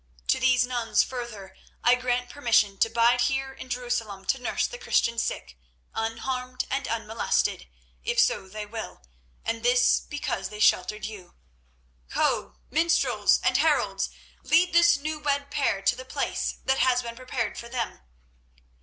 To these nuns further I grant permission to bide here in Jerusalem to nurse the Christian sick, unharmed and unmolested, if so they will, and this because they sheltered you. Ho! minstrels and heralds lead this new wed pair to the place that has been prepared for them."